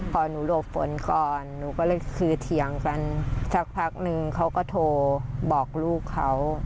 พอหนูหลบฝนก่อนหนูก็เลยคือเถียงกันสักพักนึงเขาก็โทรบอกลูกเขา